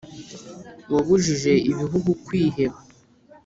wabujije ibihugu kwiheba